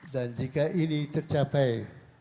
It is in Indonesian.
dan jika ini tercapai